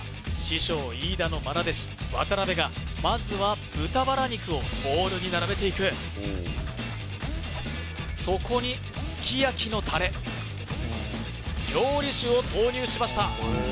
師匠飯田の愛弟子渡邊がまずは豚バラ肉をボウルに並べていくそこにすき焼のたれ料理酒を投入しました